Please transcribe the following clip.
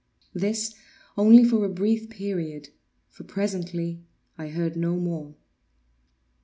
This only for a brief period, for presently I heard no more.